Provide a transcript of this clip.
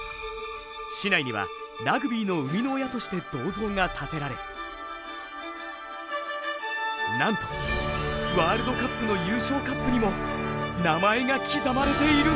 市内にはラグビーの生みの親として銅像が建てられなんとワールドカップの優勝カップにも名前が刻まれているんです。